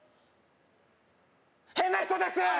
変な人ですー！